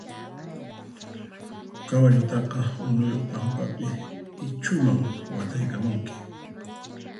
Kawallutaqa unuyuq pampapi ichhuman wataykamunki.